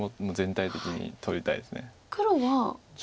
全体的に取りたいです。